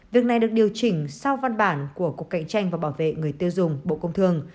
việc này được điều chỉnh sau văn bản của cục cạnh tranh và bảo vệ người tiêu dùng bộ công thương